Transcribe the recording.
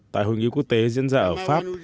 tại hội nghị quốc tế diễn ra ở pháp